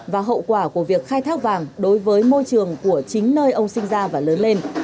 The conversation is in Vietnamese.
và hậu quả của việc khai thác vàng đối với môi trường của chính nơi ông sinh ra và lớn lên